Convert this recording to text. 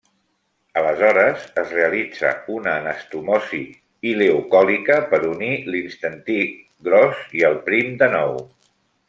Aleshores, es realitza una anastomosi ileocòlica per unir l'intestí gros i el prim de nou.